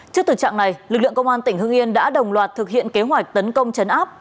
trước thực trạng này lực lượng công an tỉnh hưng yên đã đồng loạt thực hiện kế hoạch tấn công chấn áp